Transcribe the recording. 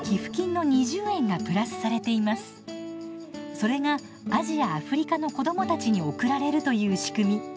それがアジア・アフリカの子どもたちに送られるという仕組み。